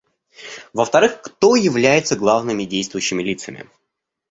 Во-вторых, кто является главными действующими лицами?